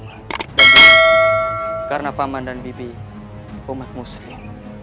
dan ini karena paman dan bibi umat muslim